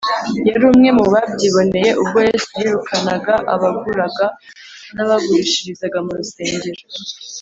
. Yari umwe mu babyiboneye ubwo Yesu yirukanaga abaguraga n’abagurishirizaga mu rusengero